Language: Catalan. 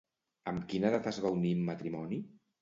Amb quina edat es va unir en matrimoni?